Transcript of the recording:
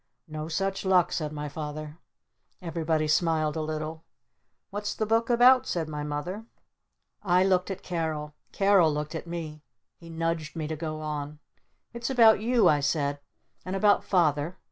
"No such luck," said my Father. Everybody smiled a little. "What's the Book about?" said my Mother. I looked at Carol. Carol looked at me. He nudged me to go on. "It's about You!" I said. "And about Father!